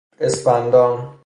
اسفندان